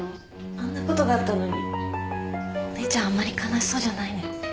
あんなことがあったのにお姉ちゃんあんまり悲しそうじゃないね。